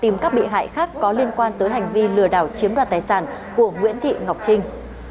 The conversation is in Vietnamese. tìm các bị hại khác có liên quan tới hành vi lừa đảo chiếm đoạt tài sản của nguyễn thị ngọc trinh